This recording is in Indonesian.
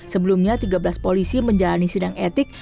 sebelumnya tiga belas polisi menjalani sidang etik